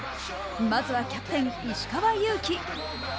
まずはキャプテン・石川祐希。